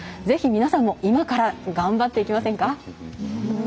ぜひ皆さんも今から、頑張っていきませんか。